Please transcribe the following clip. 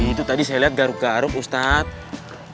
itu tadi saya lihat garuk garuk ustadz